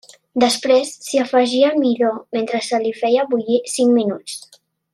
Després, s'hi afegia el midó mentre se li feia bullir cinc minuts.